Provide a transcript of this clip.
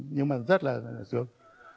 nhưng mà rất là sướng